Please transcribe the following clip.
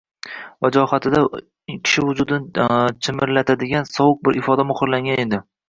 vajohatida kishi vujudini jimirlatadigan sovuq bir ifoda muhrlangan edi.